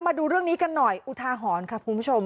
มาดูเรื่องนี้กันหน่อยอุทาหรณ์ค่ะคุณผู้ชม